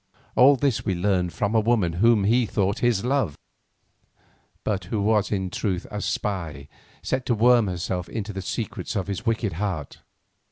All this we learned from a woman whom he thought his love, but who was in truth a spy set to worm herself into the secrets of his wicked heart.